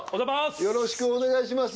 よろしくお願いします